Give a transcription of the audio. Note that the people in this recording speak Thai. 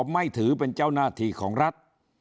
ไม่ถือเป็นเจ้าหน้าที่ของรัฐ